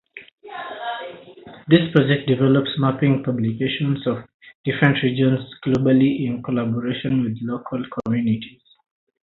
This project develops mapping publications of different regions globally in collaboration with local communities.